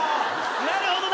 なるほどな。